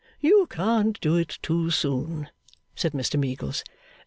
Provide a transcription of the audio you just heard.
You can't do it too soon,' said Mr Meagles.